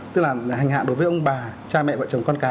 tức là hành hạ đối với ông bà cha mẹ vợ chồng con cái